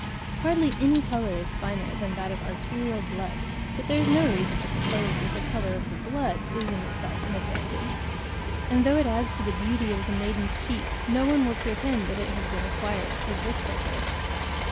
Hardly any colour is finer than that of arterial blood; but there is no reason to suppose that the colour of the blood is in itself any advantage; and though it adds to the beauty of the maiden's cheek, no one will pretend that it has been acquired for this purpose.